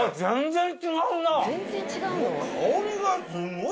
全然違うの？